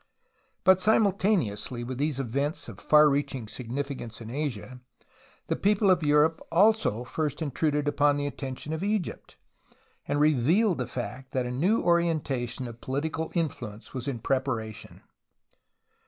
But simultaneously with tliese events of far reaching signiflcance in Asia, the people of Europe also first intruded upon the atten tion of Egypt, and revealed the fact that a new orientation of political influence was in preparation.